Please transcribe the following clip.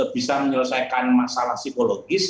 bisa menyelesaikan masalah psikologis